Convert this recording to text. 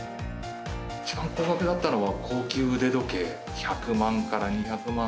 一番高額だったのは高級腕時計、１００万から２００万。